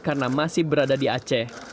karena masih berada di aceh